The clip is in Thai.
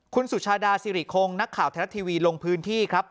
คุณสุชาดาสิริคงนักข่าวไทยรัฐทีวีลงพื้นที่ครับ